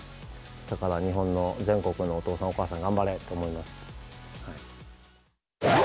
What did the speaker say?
だから日本の、全国のお父さん、お母さん、頑張れ！と思います。